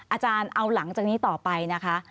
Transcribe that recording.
อาจารย์เอาหลังจากนี้ต่อไปนะคะ